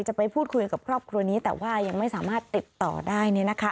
จะไปพูดคุยกับครอบครัวนี้แต่ว่ายังไม่สามารถติดต่อได้